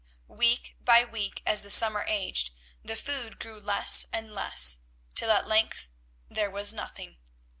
Week by week as the summer aged, the food grew less and less, till at length there was nothing.